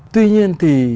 tuy nhiên thì